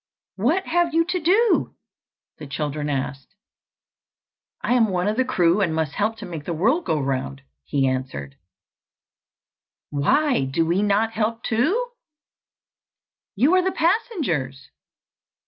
"What have you to do?" the children asked. "I am one of the crew, and must help to make the world go round," he answered. "Why do we not help too?" "You are the passengers."